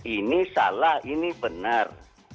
ini salah ini benar